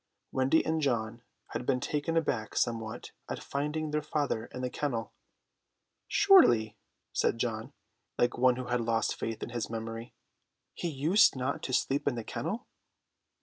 Wendy and John had been taken aback somewhat at finding their father in the kennel. "Surely," said John, like one who had lost faith in his memory, "he used not to sleep in the kennel?"